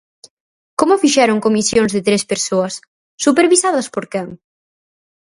¿Como fixeron comisións de tres persoas?, ¿supervisadas por quen?